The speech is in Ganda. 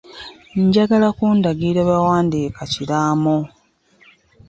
Njagala kundagirira bwe bawandiika kiraamo.